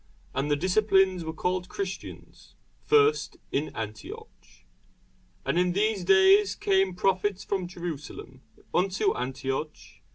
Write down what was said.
And the disciples were called Christians first in Antioch. And in these days came prophets from Jerusalem unto Antioch.